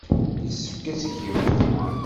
Yessefk ad tt-tgemt.